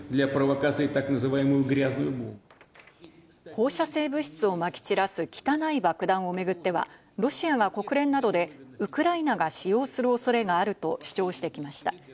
放射性物質をまき散らす「汚い爆弾」をめぐっては、ロシアが国連などでウクライナが使用する恐れがあると主張してきました。